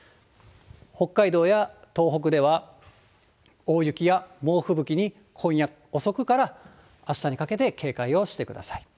北海道や東北では、大雪や猛吹雪に、今夜遅くからあしたにかけて警戒をしてください。